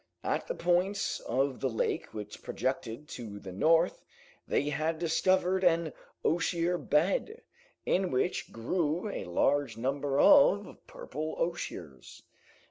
At the point of the lake which projected to the north, they had discovered an osier bed in which grew a large number of purple osiers.